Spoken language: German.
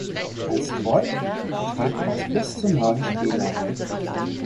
Ein Squad besteht aus bis zu neun Spielern.